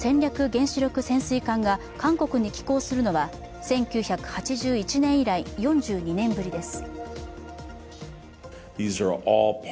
原子力潜水艦が韓国に寄港するのは１９８１年以来、４２年ぶりです。